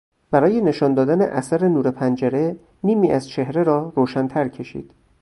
برای نشان دادن اثر نور پنجره، نیمی از چهره را روشنتر کشید.